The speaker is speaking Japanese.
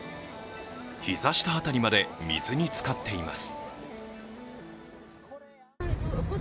膝下あたりまで水につかっています。